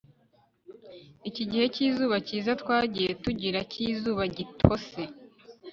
iki gihe cyizuba cyiza twagiye tugira cyizuba gitose